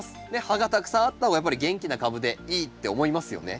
葉がたくさんあった方がやっぱり元気な株でいいって思いますよね。